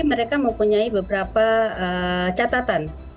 jadi mereka mempunyai beberapa catatan